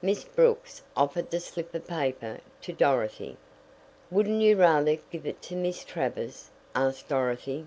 Miss Brooks offered the slip of paper to Dorothy. "Wouldn't you rather give it to Miss Travers?" asked Dorothy.